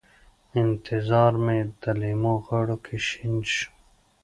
انتظار مې د لېمو غاړو کې شین شو